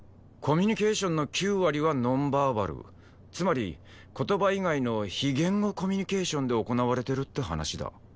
コミュニケーションの９割はノンバーバルつまり言葉以外の非言語コミュニケーションで行われてるって話だ。